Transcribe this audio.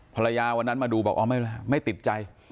วันนั้นมาดูบอกไม่ติดใจ